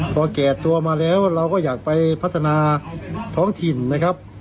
พอแก่ตัวมาแล้วเราก็อยากไปพัฒนาท้องถิ่นนะครับ